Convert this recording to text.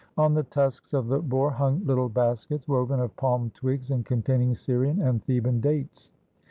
On the tusks of the boar hung little baskets, woven of palm twigs, and containing Syrian and Theban dates.